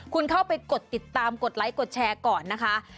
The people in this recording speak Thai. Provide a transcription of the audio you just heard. คุณเข้าไปกดติดตามกดไลค์กดแชร์ก่อนนะคะ